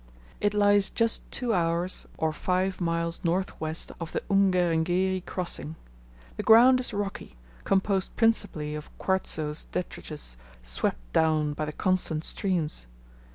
It lies just two hours or five miles north west of the Ungerengeri crossing. The ground is rocky, composed principally of quartzose detritus swept down by the constant streams.